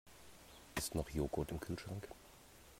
Ist noch Joghurt im Kühlschrank?